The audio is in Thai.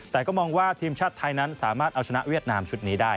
แต่ก็มองว่าทีมชาติไทยนั้นสามารถเอาชนะเวียดนามชุดนี้ได้